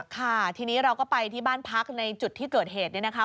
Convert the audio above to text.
ค่ะทีนี้เราก็ไปที่บ้านพักในจุดที่เกิดเหตุเนี่ยนะคะ